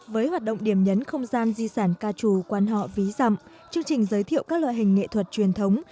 với hoạt động điểm nhấn không gian di sản ca trù quan họ ví dặm chương trình giới thiệu các loại hình nghệ thuật truyền thống